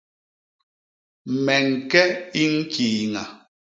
Me ñke i ñkiiña.